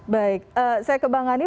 baik saya ke bang ani